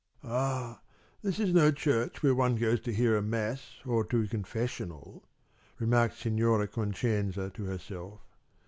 "Ah, this is no church where one goes to hear a mass or to confessional," remarked Signora Concenza to herself.